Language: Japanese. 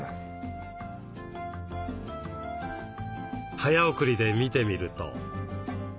早送りで見てみると。